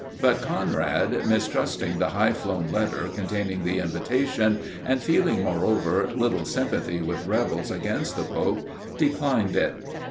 But Conrad, mistrusting the high flown letter containing the invitation, and feeling moreover little sympathy with rebels against the pope, declined it.